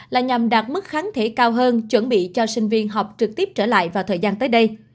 là nhằm đạt mức kháng thể cao hơn chuẩn bị cho sinh viên học trực tiếp trở lại vào thời gian tới đây